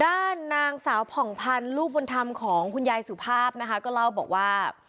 ด้านนางสาวผ่องพันธุ์ลูกบุญธรรมของคุณยายสุภาพนะคะก็เล่าบอกว่า